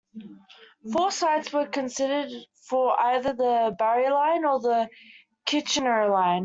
Four sites were considered for either the Barrie line or the Kitchener line.